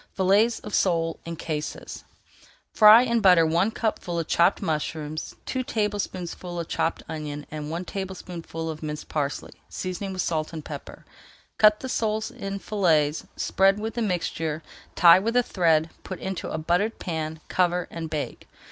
FILLETS OF SOLE IN CASES Fry in butter one cupful of chopped mushrooms, two tablespoonfuls of chopped onion, and one tablespoonful of minced parsley, seasoning with pepper and salt. Cut the soles in fillets, spread with the [Page 396] mixture, tie with thread, put into a buttered pan, cover, and bake.